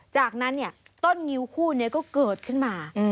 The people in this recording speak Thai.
จากนั้นต้นงิ้วคู่นี้ก็เกิดขึ้นมา